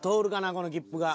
この切符が。